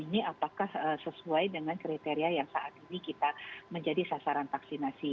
ini apakah sesuai dengan kriteria yang saat ini kita menjadi sasaran vaksinasi